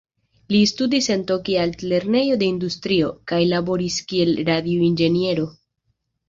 Li studis en Tokia altlernejo de industrio, kaj laboris kiel radio-inĝeniero.